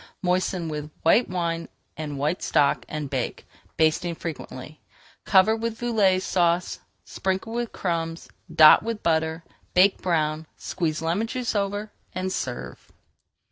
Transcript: Moisten with white wine and white stock, and bake, basting frequently. Cover with Velouté Sauce, sprinkle with crumbs, dot with butter, bake brown, squeeze lemon juice over, and serve.